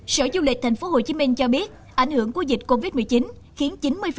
sở du lịch tp hcm cho biết ảnh hưởng của dịch covid một mươi chín khiến chín mươi